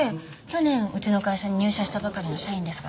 去年うちの会社に入社したばかりの社員ですが。